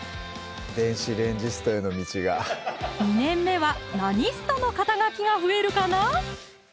俺の２年目は何ストの肩書が増えるかな？